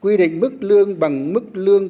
quy định mức lương bằng mức tiền lương